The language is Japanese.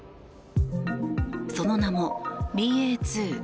その名もＢＡ．２．７５。